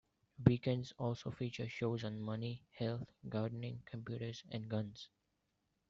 Weekends also feature shows on money, health, gardening, computers and guns.